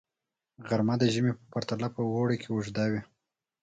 غرمه د ژمي په پرتله په اوړي کې اوږده وي